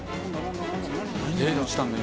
何に落ちたんだ？